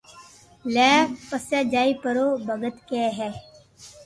لي پسي جائي پرو او ڀگت ڪي ڪي ھي